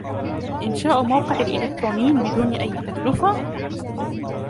إنشاء موقع إلكتروني بدون أي تكلفة؟